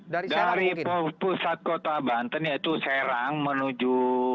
dari pusat kota banten yaitu serang menuju